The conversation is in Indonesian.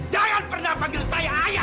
jangan pernah panggil saya ayah